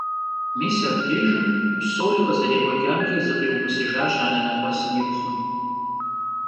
Mis abdêjjım psori khızerêk'ueç'amç'e zıkhiumısıjjaş anenep'esım yi pxhum.